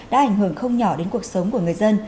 đã ảnh hưởng không nhỏ đến cuộc sống của người dân